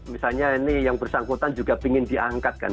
misalnya ini yang bersangkutan juga ingin diangkat kan